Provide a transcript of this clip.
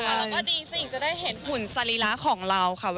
แล้วก็ดีสิงจะได้เห็นหุ่นสรีระของเราค่ะ